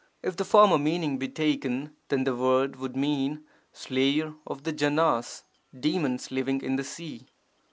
If the former meaning be taken, then the word would mean 'slayer of the Janas' (demons living in the sea.